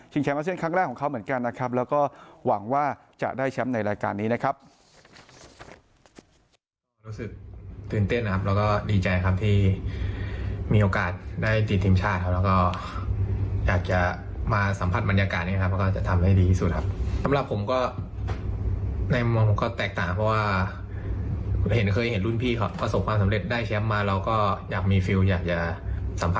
แชมป์อาเซียนครั้งแรกของเขาเหมือนกันนะครับแล้วก็หวังว่าจะได้แชมป์ในรายการนี้นะครับ